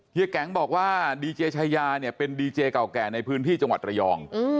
แก๊งบอกว่าดีเจชายาเนี่ยเป็นดีเจเก่าแก่ในพื้นที่จังหวัดระยอง